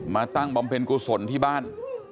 ตั้งบำเพ็ญกุศลที่บ้าน